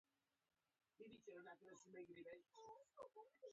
خبري دي لکه اغزي په چا جګېږي